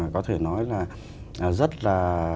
có thể nói là rất là